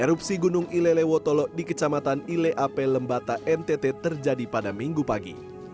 erupsi gunung ilelewotolo di kecamatan ileape lembata ntt terjadi pada minggu pagi